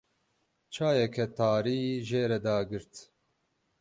Çayeke tarî jê re dagirt.